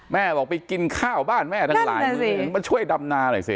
แม่บอกไปกินข้าวบ้านแม่ทั้งหลายมือมาช่วยดำนาหน่อยสิ